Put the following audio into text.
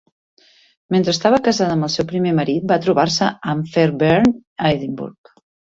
Mentre estava casada amb el seu primer marit va trobar-se amb Fairbairn a Edimburg.